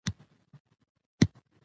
تفصيلي پلان دی